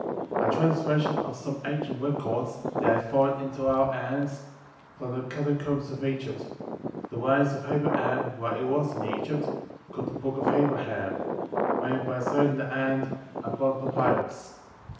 Translation of some ancient Records, that have fallen into our hands, from the catacombs of Egypt; the writings of Abraham while he was in Egypt, called the Booh of Abraham, written by his own hand, upon papyrus.